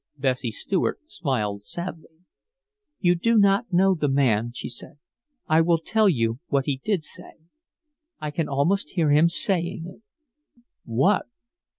Bessie Stuart smiled sadly. "You do not know the man," said she. "I will tell you what he did say. I can almost hear him saying it." "What?"